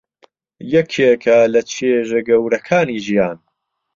یەکێکە لە چێژە گەورەکانی ژیان.